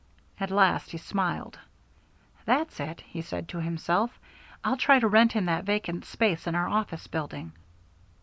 At last he smiled. "That's it," he said to himself, "I'll try to rent him that vacant suite in our office building."